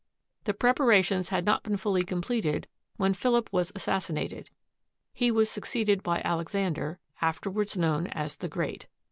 The prepa rations had not been fully completed when Philip was assas sinated. He was succeeded by Alexander, afterwards known as the Great.